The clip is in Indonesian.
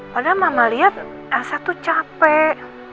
padahal mama lihat asa tuh capek